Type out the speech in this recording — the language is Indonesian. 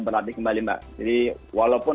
berlatih kembali jadi walaupun